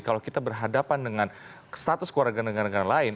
kalau kita berhadapan dengan status keluarga negara negara lain